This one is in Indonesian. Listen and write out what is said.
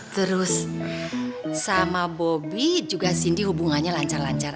terus sama bobi juga sindi hubungannya lancar dua aja